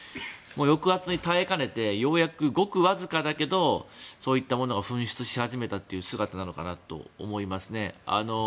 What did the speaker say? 抑圧に耐えかねてようやく、ごくわずかだけどそういったものが噴出し始めたという姿なのかなと思いますね。